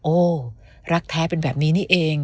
โอ้รักแท้เป็นแบบนี้นี่เอง